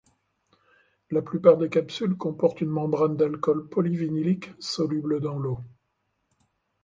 La plupart des capsules comportent une membrane d'alcool polyvinylique soluble dans l'eau.